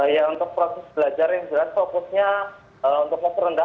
ya untuk proses belajarnya fokusnya untuk masyarakat rendah